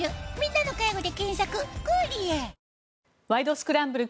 スクランブル」